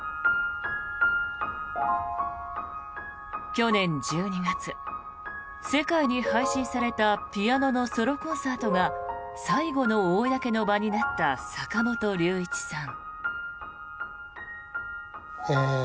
去年１２月、世界に配信されたピアノのソロコンサートが最後の公の場になった坂本龍一さん。